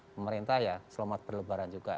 pemerintah ya selamat berlebaran juga